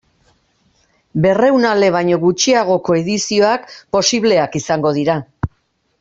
Berrehun ale baino gutxiagoko edizioak posibleak izango dira.